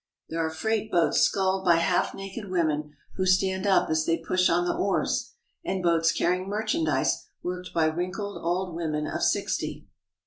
There are freight boats sculled by half naked women who stand up as they push on the oars, and boats carrying merchandise worked by wrinkled old women of sixty.